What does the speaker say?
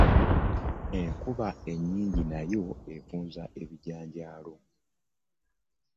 Enkuba ennyingi nayo evunza ebijanjaalo.